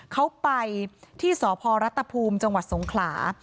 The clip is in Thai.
เขาไปที่สพรัฐภูมิจังหวัดสงขลา